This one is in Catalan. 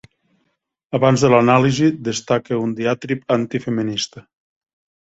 Abans de l'anàlisi destaca un diatrib anti-feminista.